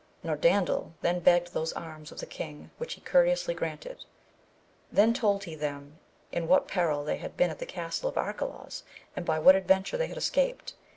Norandel then begged those arms of the king which he courteously granted, then told he them in what peril they had been at the castle of Arcalaus, and by what adventure they had escaped.